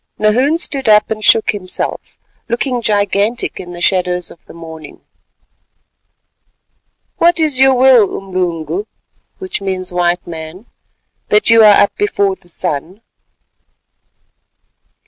Nahoon stood up and shook himself, looking gigantic in the shadows of the morning. "What is your will, Umlungu (white man), that you are up before the sun?"